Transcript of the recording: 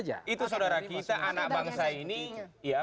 pada saat ini